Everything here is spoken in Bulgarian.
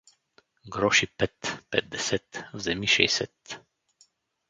Грош и пет, петдесет, вземи шейсет!